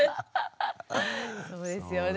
そうですよね。